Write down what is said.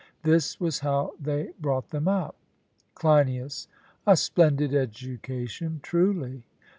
This was how they brought them up. CLEINIAS: A splendid education truly!